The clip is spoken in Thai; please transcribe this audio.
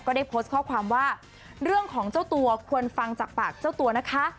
ได้โพสต์ข้อความว่าเรื่องของเจ้าตัวควรฟังจากปากเจ้าตัวนะคะ